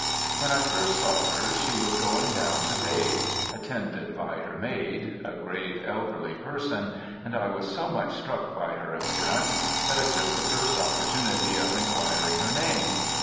When I first saw her she was going down to bathe, attended by her maid, a grave elderly person, and I was so much struck by her appearance, that I took the first opportunity of enquiring her name.